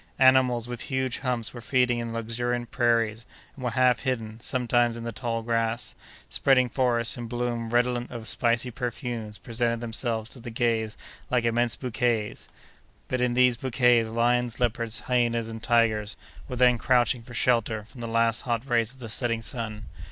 Animals with huge humps were feeding in the luxuriant prairies, and were half hidden, sometimes, in the tall grass; spreading forests in bloom redolent of spicy perfumes presented themselves to the gaze like immense bouquets; but, in these bouquets, lions, leopards, hyenas, and tigers, were then crouching for shelter from the last hot rays of the setting sun.